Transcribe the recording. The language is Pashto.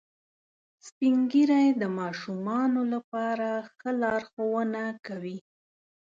سپین ږیری د ماشومانو لپاره ښه لارښوونه کوي